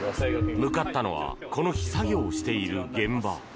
向かったのはこの日、作業をしている現場。